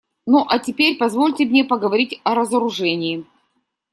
Ну а теперь позвольте мне поговорить о разоружении.